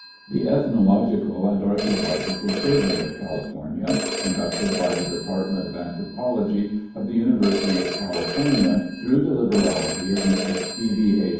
The Ethnological and Archaeological Survey of California, conducted by the Depart ment of Anthropology of the University of California through the liberality of Mrs. Phoebe A.